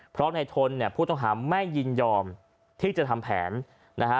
เพราะในทนเนี่ยผู้ต้องหาไม่ยินยอมที่จะทำแผนนะฮะ